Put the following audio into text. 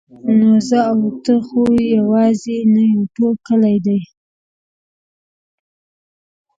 نو زه او ته خو یوازې نه یو ټول کلی دی.